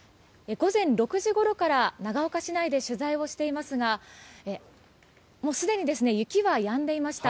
午前６時ごろから長岡市内で取材をしていますがすでに雪はやんでいました。